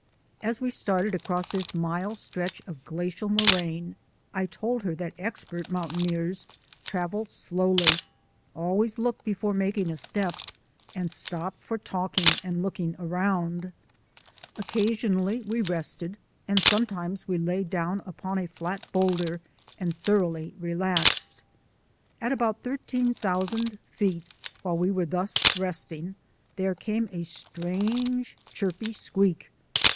As we started across this mile stretch of glacial moraine I told her that expert mountaineers travel slowly, always look before making a step, and stop for talking or looking around. Occasionally we rested, and some times we lay down upon a flat boulder and thor oughly relaxed. At about 13,000 feet, while we were thus resting, there came a strange, chirpy squeak.